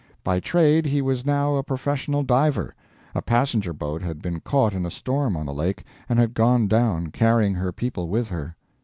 By trade he was now a professional diver. A passenger boat had been caught in a storm on the lake, and had gone down, carrying her people with her.